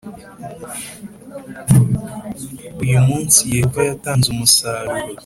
Uyu munsi Yehova yatanze umusaruro